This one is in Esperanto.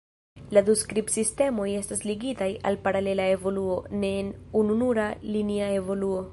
La du skribsistemoj estas ligitaj al paralela evoluo, ne en ununura linia evoluo.